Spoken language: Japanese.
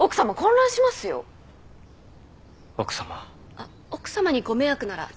あっ奥さまにご迷惑なら私は全然。